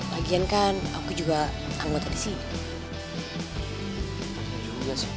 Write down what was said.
lagian kan aku juga anggota disini